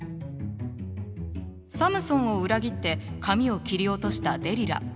サムソンを裏切って髪を切り落としたデリラ。